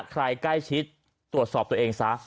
ใครใกล้ชิดตรวจสอบตัวเองซะ